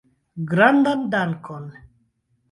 Grandan dankon!